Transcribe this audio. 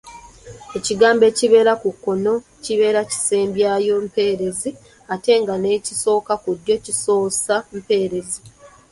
Ekigambo ekibeera ku kkono kibeera kisembyayo mpeerezi ate nga n’ekisooka ku ddyo kisoosa mpeerezi.